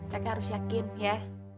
kakek harus yakin ya